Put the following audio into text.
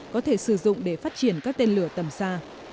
có thể sử dụng để phát triển các tên lửa tầm xa